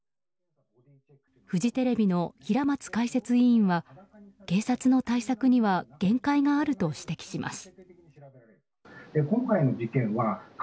フジテレビの平松解説委員は警察の対策には限界があると指摘します。